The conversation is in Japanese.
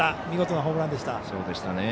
見事はホームランでした。